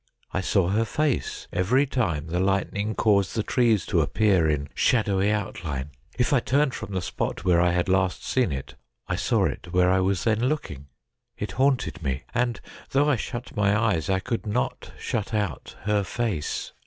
I saw her face every time the lightning caused the trees to appear in shadowy outline. If I turned from the spot where I had last seen it, I saw it where I was then looking. It haunted me, and though I shut my eyes I could not shut out her face.